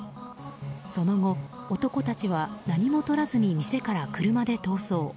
その後、男たちは何もとらずに店から車で逃走。